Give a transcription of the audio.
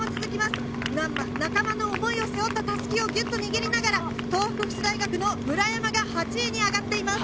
仲間の思いを背負った襷をギュッと握りながら、東北福祉大学の村山が８位に上がっています。